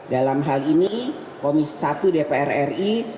dalam hal ini komisi satu dpr ri